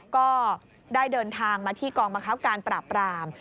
ก็ได้เดินทางมาที่กองบังคับการปราบราม